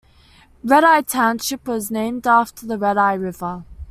Red Eye Township was named after the Redeye River.